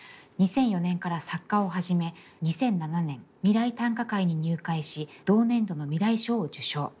２００４年から作歌を始め２００７年未来短歌会に入会し同年度の未来賞を受賞。